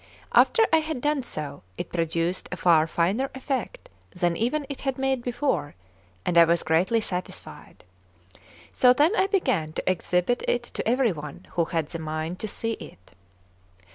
After I had done so, it produced a far finer effect than even it had made before, and I was greatly satisfied. So then I began to exhibit it to every one who had the mind to see it.